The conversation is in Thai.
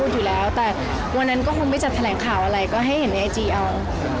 ทำแม้ธุรกิจจากอาหารเสริม